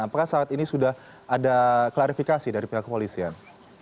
apakah saat ini sudah ada klarifikasi dari pihak kepolisian